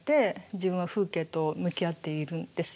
自分は風景と向き合っているんですよ。